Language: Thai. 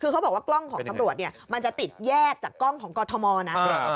คือเขาบอกว่ากล้องของตำรวจเนี่ยมันจะติดแยกจากกล้องของกรทมนะ